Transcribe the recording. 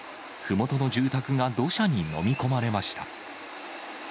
ふもとの住宅が土砂に飲み込まれました。